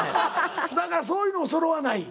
だからそういうのがそろわない。